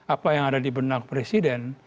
apa yang ada di benak presiden